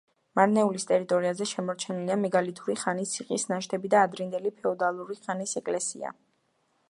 მარნეულის ტერიტორიაზე შემორჩენილია მეგალითური ხანის ციხის ნაშთები და ადრინდელი ფეოდალური ხანის ეკლესია.